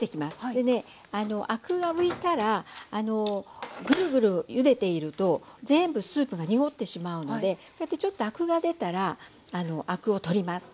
でねアクが浮いたらぐるぐるゆでていると全部スープが濁ってしまうのでこうやってちょっとアクが出たらアクを取ります。